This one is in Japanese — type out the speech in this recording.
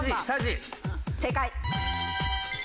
正解。